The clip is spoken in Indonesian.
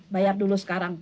bayar dulu sekarang